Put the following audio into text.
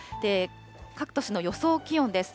各都市の予想気温です。